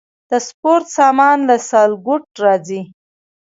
د سپورت سامان له سیالکوټ راځي؟